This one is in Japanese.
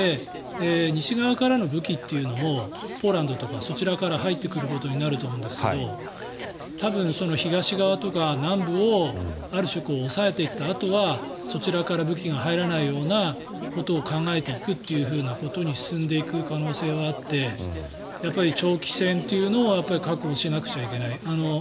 西側からの武器というのもポーランドとかそちらから入ってくることになると思うんですが多分東側とか南部をある種、押さえていったあとはそちらから武器が入らないようなことを考えていくことに進んでいく可能性はあってやっぱり長期戦というのを覚悟しなくちゃいけない。